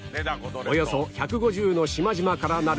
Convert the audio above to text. およそ１５０の島々からなる五島列島